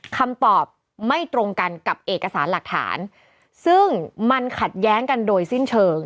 คำตอบไม่ตรงกันกับเอกสารหลักฐานซึ่งมันขัดแย้งกันโดยสิ้นเชิง